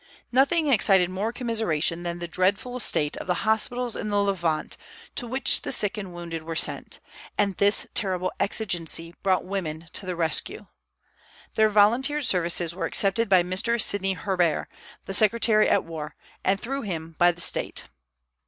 Nothing excited more commiseration than the dreadful state of the hospitals in the Levant, to which the sick and wounded were sent; and this terrible exigency brought women to the rescue. Their volunteered services were accepted by Mr. Sidney Herbert, the secretary at war, and through him by the State.